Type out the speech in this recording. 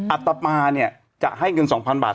อัตมาเนี่ยจะให้เงิน๒๐๐บาท